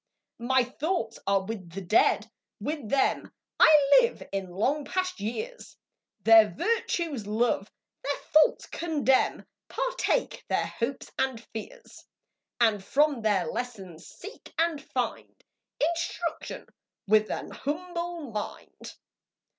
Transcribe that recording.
My thoughts are with the Dead, with them I live in long past years, Their virtues love, their faults condemn, Partake their hopes and fears, And from their lessons seek and find Instruction with ^n humble mind.